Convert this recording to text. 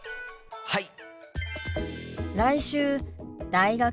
はい！